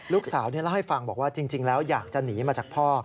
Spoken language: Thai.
ลูกสาวเล่าให้ฟังบอกว่าจริงแล้วอยากจะหนีมาจากพ่อ